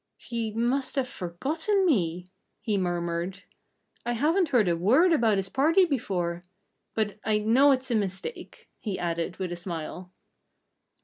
"He must have forgotten me," he murmured. "I haven't heard a word about his party before.... But I know it's a mistake," he added, with a smile.